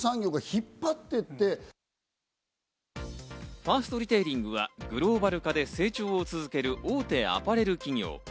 ファーストリテイリングはグローバル化で成長を続ける大手アパレル企業。